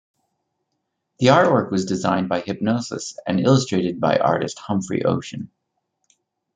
The artwork was designed by Hipgnosis and illustrated by artist Humphrey Ocean.